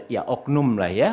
ya oknum lah ya